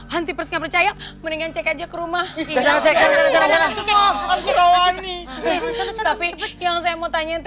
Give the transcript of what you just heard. hansipers gak percaya mendingan cek aja ke rumah tapi yang saya mau tanyain